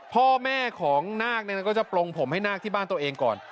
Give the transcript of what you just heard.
พ่อแม่ของนาคก็จะปลงผมให้นาคที่บ้านตัวเองก่อน